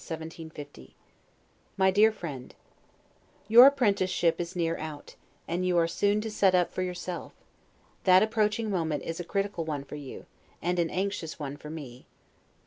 1750 MY DEAR FRIEND: Your apprenticeship is near out, and you are soon to set up for yourself; that approaching moment is a critical one for you, and an anxious one for me.